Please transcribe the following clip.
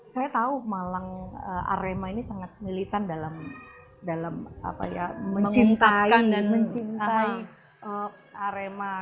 saya tahu malang arema ini sangat militan dalam mencintai arema